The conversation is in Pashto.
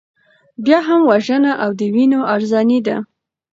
بیا هم وژنه او د وینو ارزاني ده.